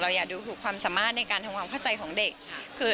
อยากดูถูกความสามารถในการทำความเข้าใจของเด็ก